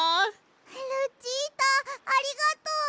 ルチータありがとう！